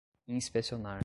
inspecionar